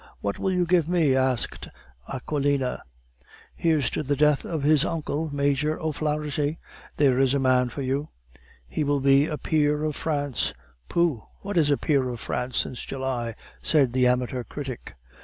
What will you give me?" asked Aquilina. "Here's to the death of his uncle, Major O'Flaharty! There is a man for you." "He will be a peer of France." "Pooh! what is a peer of France since July?" said the amateur critic.